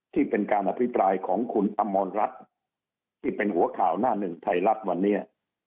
ที่เป็นการอภิปรายของคุณอมรรัฐที่เป็นหัวข่าวหน้าหนึ่งไทยรัฐวันนี้